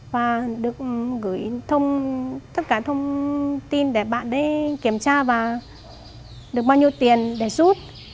và được gửi thông tất cả thông tin để bạn kiểm tra và được bao nhiêu tiền để giúp